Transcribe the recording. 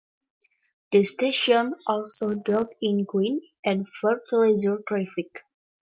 The station also dealt in grain and fertilizer traffic.